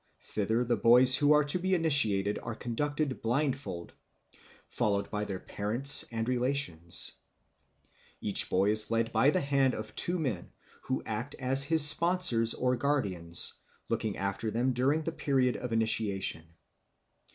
Thither the boys who are to be initiated are conducted blindfold, followed by their parents and relations. Each boy is led by the hand of two men, who act as his sponsors or guardians, looking after him during the period of initiation.